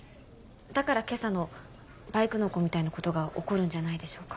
だから今朝のバイクの子みたいなことが起こるんじゃないでしょうか。